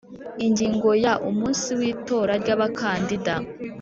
Ingingo ya Umunsi w itora ry Abakandida